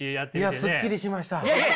いやすっきりしました。